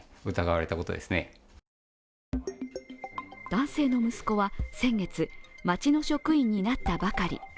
男性の息子は先月、町の職員になったばかり。